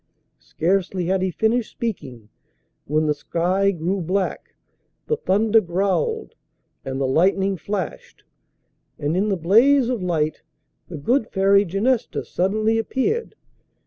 Scarcely had he finished speaking when the sky grew black, the thunder growled, and the lightning flashed, and in the blaze of light the good Fairy Genesta suddenly appeared.